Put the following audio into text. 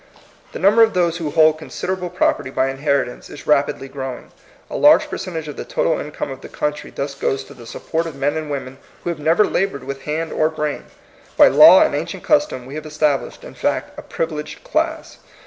The number of those who hold consid erable property by inheritance is rapidly growing. A large percentage of the total income of the country thus goes to the support of men and women who have never labored with hand or brain. By law and ancient custom we have established, in fact, a privileged class.